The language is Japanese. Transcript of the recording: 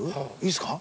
いいですか？